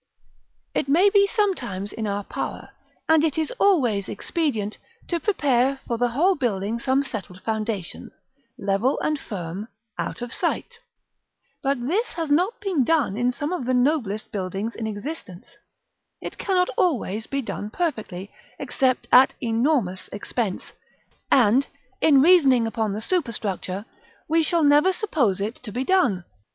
It may be sometimes in our power, and it is always expedient, to prepare for the whole building some settled foundation, level and firm, out of sight. But this has not been done in some of the noblest buildings in existence. It cannot always be done perfectly, except at enormous expense; and, in reasoning upon the superstructure, we shall never suppose it to be done.